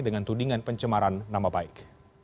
dengan tudingan pencemaran nama baik